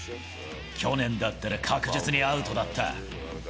去年だったら確実にアウトだった。